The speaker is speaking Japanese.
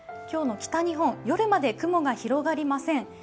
今日の北日本、夜まで雲が広がりません。